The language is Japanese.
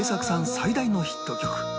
最大のヒット曲